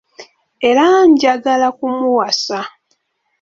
Era ngyagala kumuwasa.